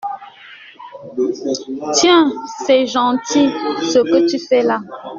Tiens, c’est gentil, ce que tu fais là.